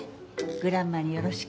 グランマによろしく。